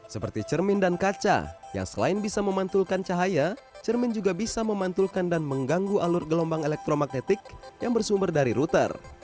seperti cermin dan kaca yang selain bisa memantulkan cahaya cermin juga bisa memantulkan dan mengganggu alur gelombang elektromagnetik yang bersumber dari router